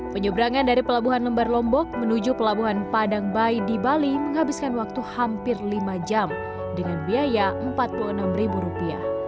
penyeberangan dari pelabuhan lembar lombok menuju pelabuhan padang bayi di bali menghabiskan waktu hampir lima jam dengan biaya rp empat puluh enam